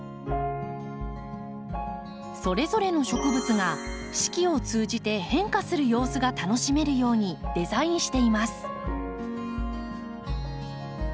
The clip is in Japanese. それぞれの植物が四季を通じて変化する様子が楽しめるようにデザインしています。